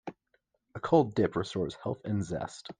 A cold dip restores health and zest.